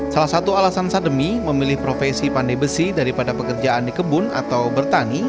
salah satu alasan sademi memilih profesi pandai besi daripada pekerjaan di kebun atau bertani